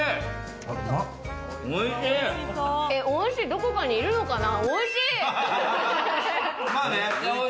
どこかにいるのかな？